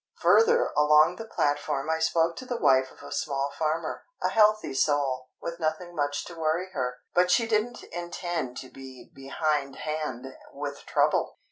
Further along the platform I spoke to the wife of a small farmer, a healthy soul, with nothing much to worry her. But she didn't intend to be behindhand with trouble!